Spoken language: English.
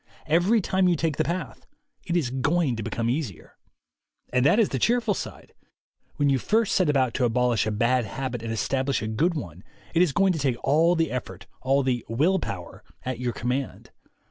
Every time you take the path it is going to become easier. And that is the cheerful side. When you first set about to abolish a bad habit and establish a good one, it is going to take all the effort, all the "will power," at your command.